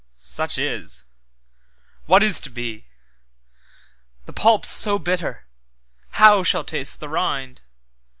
Such is; what is to be? The pulp so bitter, how shall taste the rind?